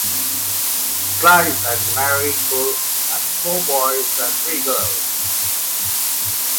Clive and Marie Uhr had four boys and three girls.